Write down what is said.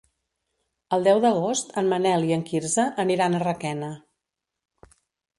El deu d'agost en Manel i en Quirze aniran a Requena.